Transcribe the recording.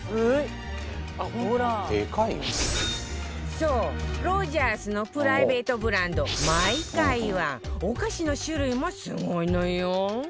そうロヂャースのプライベートブランド ｍｙｋａｉ はお菓子の種類もすごいのよ